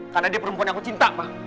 karena dia perempuan yang aku cinta pak